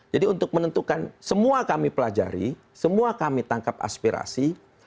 jadi untuk menentukan semua kami pelajari semua kami tangkap aspirasi